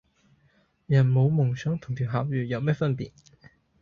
人冇夢想同條咸魚有咩分別?